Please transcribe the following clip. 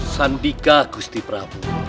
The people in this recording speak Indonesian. sandika gusti prabu